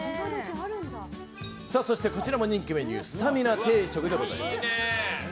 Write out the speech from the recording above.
そしてこちらも人気メニュースタミナ定食でございます。